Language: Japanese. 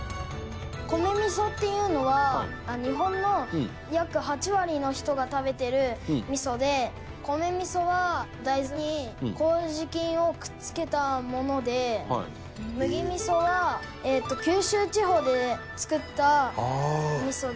米味噌っていうのは日本の約８割の人が食べてる味噌で米味噌は大豆に麹菌をくっつけたもので麦味噌はえーと九州地方で作った味噌で。